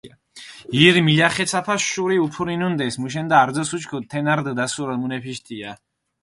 ირი მილახეცაფას შური უფურინუნდეს, მუშენდა არძოს უჩქუდჷ, თენა რდჷ დასურო მუნეფიშ თია.